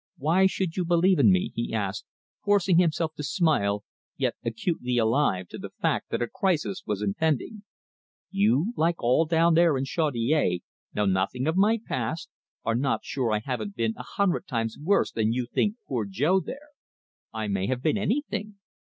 "Why should you believe in me?" he asked, forcing himself to smile, yet acutely alive to the fact that a crisis was impending. "You, like all down there in Chaudiere, know nothing of my past, are not sure that I haven't been a hundred times worse than you think poor Jo there. I may have been anything.